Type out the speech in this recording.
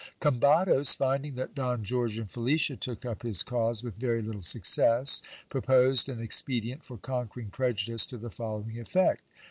Combados finding that Don George and Felicia took up his cause with very little success, proposed an expedient for conquering prejudice to the following effect.